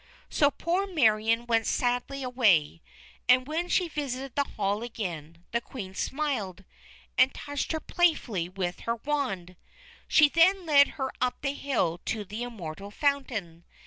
So poor Marion went sadly away. And when she visited the hall again, the Queen smiled, and touched her playfully with her wand. She then led her up the hill to the Immortal Fountain.